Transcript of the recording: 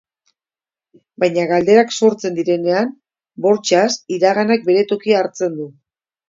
Baina galderak sortzen direnean, bortxaz, iraganak bere tokia hartzen du.